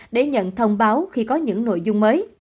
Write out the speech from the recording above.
để nhận thông báo khi có những nội dung mới